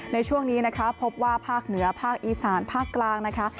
ในช่วงนี้นะคะพบว่าภาคเหนือภาคอีสานภาคกลางนะคะ